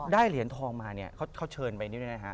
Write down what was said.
เหรียญทองมาเนี่ยเขาเชิญไปนี่ด้วยนะฮะ